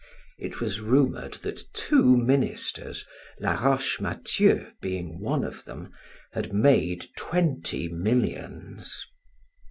It was rumored that two ministers, Laroche Mathieu being one of them, had made twenty millions.